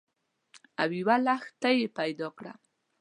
او یوه لښتۍ پیدا کړه